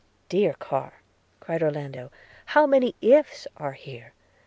' 'Dear Carr,' cried Orlando, 'how many ifs are here!